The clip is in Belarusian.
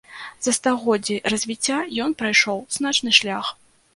За стагоддзі развіцця ён прайшоў значны шлях.